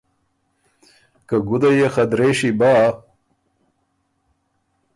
که ګُده يې خه درېشي بۀ